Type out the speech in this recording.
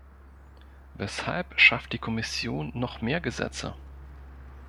Weshalb schafft die Kommission noch mehr Gesetze?